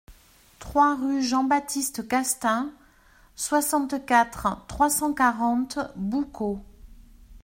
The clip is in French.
trois rue Jean-Baptiste Castaings, soixante-quatre, trois cent quarante, Boucau